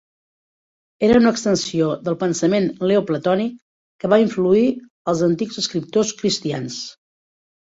Era una extensió del pensament neoplatònic, que va influir els antics escriptors cristians.